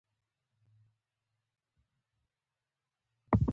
د معقولو انساني خيالاتو د پاللو له لارې.